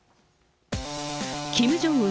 キム・ジョンウン